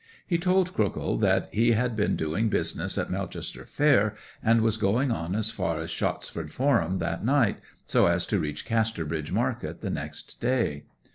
He told Crookhill that he had been doing business at Melchester fair, and was going on as far as Shottsford Forum that night, so as to reach Casterbridge market the next day.